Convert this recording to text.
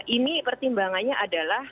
ini pertimbangannya adalah